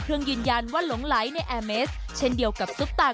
ยืนยันว่าหลงไหลในแอร์เมสเช่นเดียวกับซุปตา